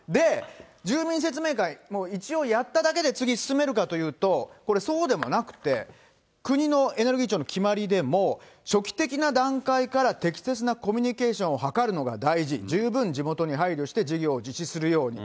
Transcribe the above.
住民説明会、一応やっただけで、次、進めるかというと、これ、そうでもなくて、国のエネルギー庁の決まりでも、初期的な段階から適切なコミュニケーションを図るのが大事、十分地元に配慮して事業を実施するように。